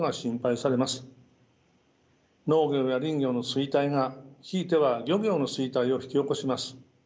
農業や林業の衰退がひいては漁業の衰退を引き起こします。